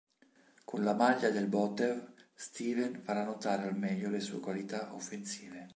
Con la maglia del Botev, Steven farà notare al meglio le sue qualità offensive.